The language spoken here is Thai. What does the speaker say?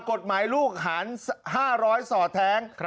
กฎหมายลูกหาร๕๐๐สอดแท้ง